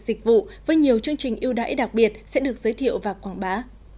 dịch vụ với nhiều chương trình yêu đáy đặc biệt sẽ được giới thiệu và quảng bá